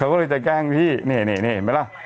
เขาก็เลยจะแกล้งพี่นี่นี่นี่เห็นไหมล่ะ